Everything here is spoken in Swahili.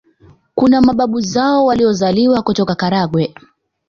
Kuna mababu zao waliozaliwa kutoka Karagwe